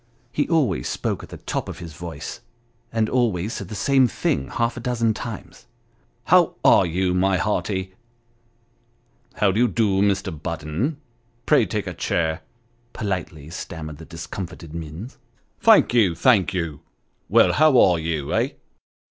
He always spoke at the top of his voice, and always said the same thing half a dozen times. " How are you, my hearty '?"" How do you do, Mr. Budden ? pray take a chair !" politely stammered the discomfited Minns. 236 Sketches by Boz. " Thank you thank you well how are you, eh